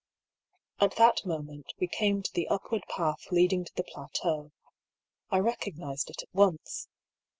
At that moment we came to the upward path leading to the plateau. I recognised it at once.